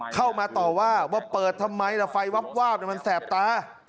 เข้ามาต่อว่าว่าเปิดทำไมล่ะไฟวาบมันแสบตา